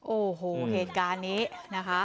โอ้โหเหตุการณ์นี้นะคะ